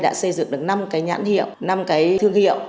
đã xây dựng được năm cái nhãn hiệu năm cái thương hiệu